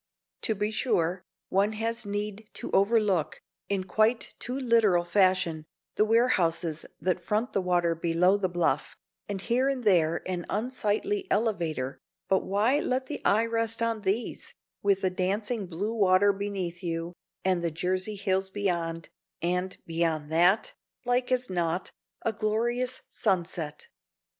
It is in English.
To be sure, one has need to overlook, in quite too literal fashion, the warehouses that front the water below the bluff, and here and there an unsightly elevator, but why let the eye rest on these, with the dancing blue water beneath you, and the Jersey hills beyond, and beyond that again, like as not, a glorious sunset.